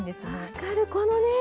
分かるこのね！